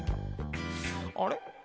あれ？